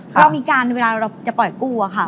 เรามีการเวลาเราจะปล่อยกู้อะค่ะ